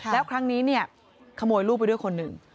แล้วครั้งนี้เนี่ยขโมยลูกไปด้วยคนหนึ่ง